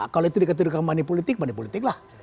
kalau itu dikatakan money politics money politics lah